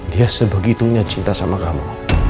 dia sebegitunya cinta sama kamu